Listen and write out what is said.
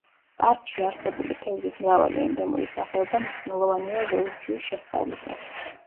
პარკში არსებული თევზის მრავალი ენდემური სახეობა მნიშვნელოვანია ევოლუციის შესწავლისას.